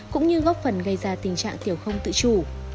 cũng như góp phần gây ra tình trạng tiểu không tự chủ